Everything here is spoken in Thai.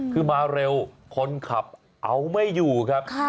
คือมาเร็วคนขับเอาไม่อยู่ครับ